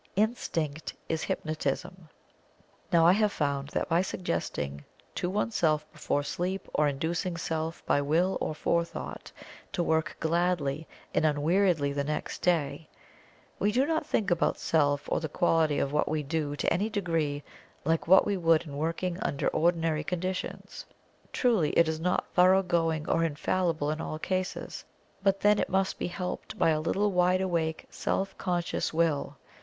Instinct is Hypnotism. Now I have found that by suggesting to oneself before sleep, or inducing self by Will or Forethought to work gladly and unweariedly the next day, we do not think about self or the quality of what we do to any degree like what we would in working under ordinary conditions. Truly it is not thoroughgoing or infallible in all cases, but then it must be helped by a little wide awake self conscious will.